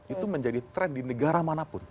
itu menjadi tren di negara manapun